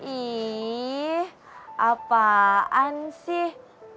ih apaan sih